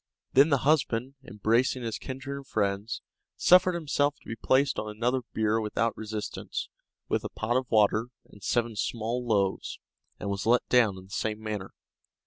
Then the husband, embracing his kindred and friends, suffered himself to be placed on another bier without resistance, with a pot of water and seven small loaves, and was let down in the same manner.